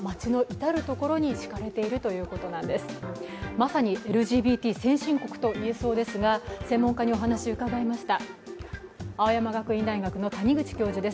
まさにＬＧＢＴ先進国と言えそうですが専門家にお話を伺いました。